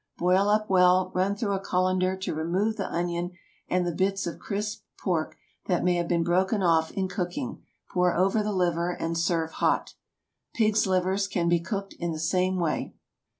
Boil up well, run through a cullender to remove the onion and the bits of crisped pork that may have been broken off in cooking, pour over the liver, and serve hot. Pigs' livers can be cooked in the same way.